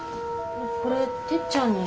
これてっちゃんに。